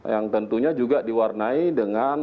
yang tentunya juga diwarnai dengan